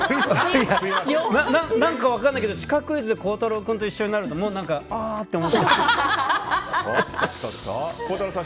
何か分からないけどシカクイズで孝太郎君と一緒になるとああって思っちゃう。